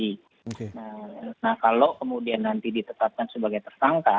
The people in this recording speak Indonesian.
nah kalau kemudian nanti ditetapkan sebagai tersangka